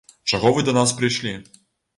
Чаго вы да нас прыйшлі?